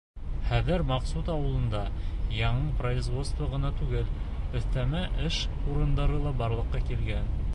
Хәҙер Мәҡсүт ауылында яңы произодство ғына түгел, өҫтәмә эш урындары ла барлыҡҡа килгән.